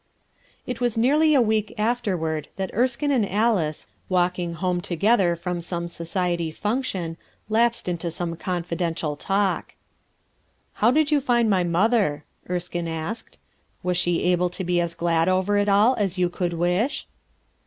It was nearly a week afterward that Erskinc and Alice, walking home together from some society function, lapsed into confidential talk. ''How did you find my mother?" Erskine asked. "Was she able to be as glad over it all as you could wish?"